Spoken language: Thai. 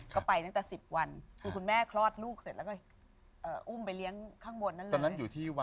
ก็ไปตั้งแต่๑๐วันคือคุณแม่คลอดลูกเสร็จแล้วก็อุ้มไปเลี้ยงข้างบนนั่นแหละ